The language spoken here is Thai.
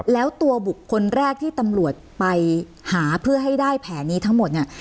แล้วตัวบุคคลแรกที่ตำรวจไปหาเพื่อให้ได้แผนนี้ทั้งหมดเนี่ย